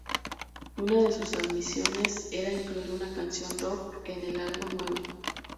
Una de sus ambiciones era incluir una canción rock en el álbum nuevo.